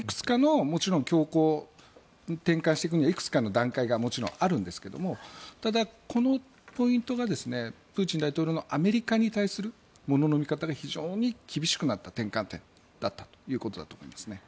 強硬路線に転換していくにはいくつかの段階がもちろんあるんですけれどもただ、このポイントがプーチン大統領のアメリカに対する物の見方が非常に厳しくなった転換点だったということだと思います。